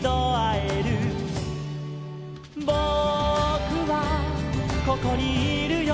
「ぼくはここにいるよ」